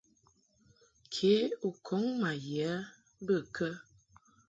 Ke u kɔŋ ma ye bə kə ?